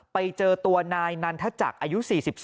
ไปเจอตัวนายนันทจักรอายุ๔๒